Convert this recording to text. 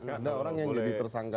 ada orang yang jadi tersangka